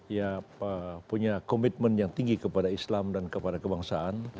ya punya komitmen yang tinggi kepada islam dan kepada kebangsaan